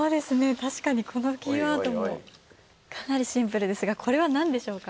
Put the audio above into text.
たしかにこのキーワードもかなりシンプルですがこれはなんでしょうか？